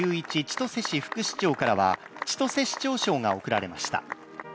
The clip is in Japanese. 千歳市副市長からは千歳市長賞が贈られました。